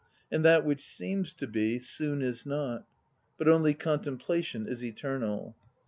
And that which seems to be, soon is not. But only contemplation is eternal."